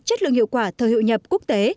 chất lượng hiệu quả thờ hiệu nhập quốc tế